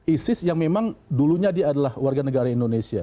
isis yang memang dulunya dia adalah warga negara indonesia